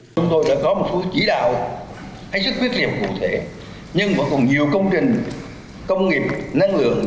chúng tôi đã có một số chỉ đạo hay sức quyết liệu cụ thể nhưng vẫn còn nhiều công trình công nghiệp năng lượng